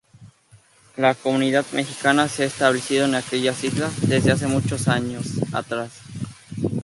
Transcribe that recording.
La comunidad mexicana se ha establecido en aquellas islas desde hace muchos años atrás.